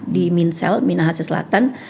di minsel minahasa selatan